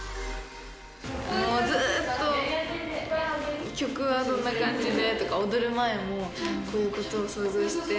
もうずっと曲はどんな感じでとか、踊る前もこういうことを想像して。